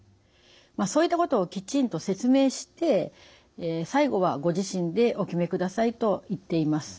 そういったことをきちんと説明して最後はご自身でお決めくださいと言っています。